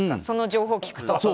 その情報を聞くと。